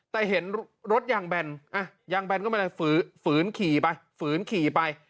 แต่เห็นรถยางแบนยางแบนก็มาฝืนขี่ไป